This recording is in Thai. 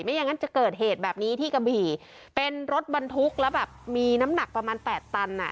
อย่างนั้นจะเกิดเหตุแบบนี้ที่กะบี่เป็นรถบรรทุกแล้วแบบมีน้ำหนักประมาณแปดตันอ่ะ